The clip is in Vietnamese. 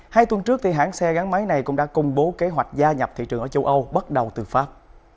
hai tuần trước hãng xe gắn máy này cũng đã công bố kế hoạch gia nhập thị trường ở châu âu bắt đầu từ pháp